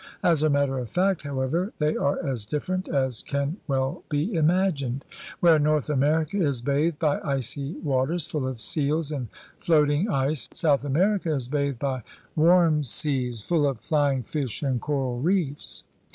As a matter of fact, however, they are as different as can well be imagined. Where North America is bathed by icy waters full of seals and floating ice South America is bathed by warm seas full of flying fish and coral reefs.